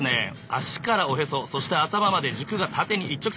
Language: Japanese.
足からおへそそして頭まで軸が縦に一直線。